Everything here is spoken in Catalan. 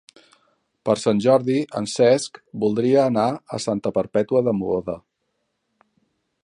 Per Sant Jordi en Cesc voldria anar a Santa Perpètua de Mogoda.